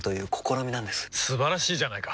素晴らしいじゃないか！